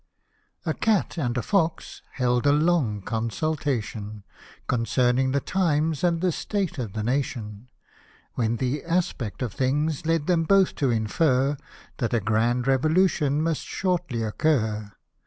A CAT and a fox held a long consultation Concerning the times, and the state of the nation ; When the aspect of things led them both to infer That a grand revolution must shortly occur.